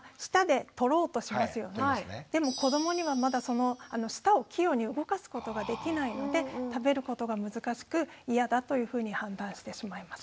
でも子どもにはまだその舌を器用に動かすことができないので食べることが難しく嫌だというふうに判断してしまいます。